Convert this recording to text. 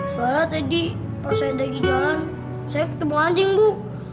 soalnya tadi pas saya lagi jualan saya ketemu anjing bu